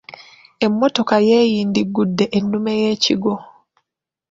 Emmotoka yeeeindiggudde ennume y'akigwo.